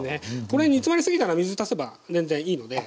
これ煮詰まりすぎたら水足せば全然いいので。